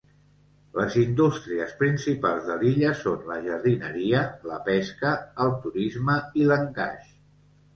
Les indústries principals de l'illa són la jardineria, la pesca, el turisme i l'encaix.